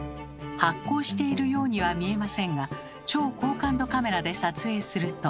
発光しているようには見えませんが超高感度カメラで撮影すると。